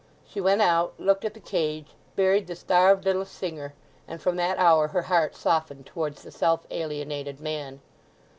She went out, looked at the cage, buried the starved little singer, and from that hour her heart softened towards the self alienated man.